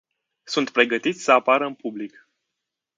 Sunt pregătiți să apară în public.